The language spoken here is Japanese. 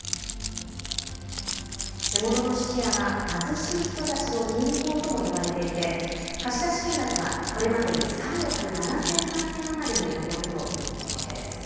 地元の質屋は貧しい人たちの銀行とも呼ばれていて、貸し出し金額はこれまでに３億７０００万円余りに上るということです。